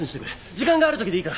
時間があるときでいいから！